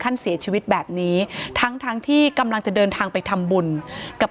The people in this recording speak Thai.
ท่านเสียชีวิตแบบนี้ทั้งทั้งที่กำลังจะเดินทางไปทำบุญกับ